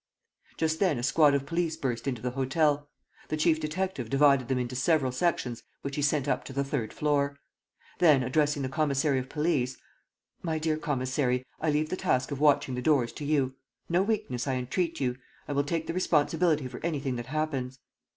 Just then a squad of police burst into the hotel. The chief detective divided them into several sections which he sent up to the third floor. Then, addressing the commissary of police: "My dear commissary, I leave the task of watching the doors to you. No weakness, I entreat you. I will take the responsibility for anything that happens."